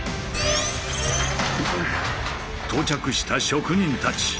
到着した職人たち。